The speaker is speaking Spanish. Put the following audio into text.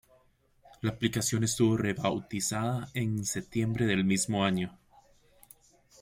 La aplicación estuvo rebautizada en septiembre del mismo año.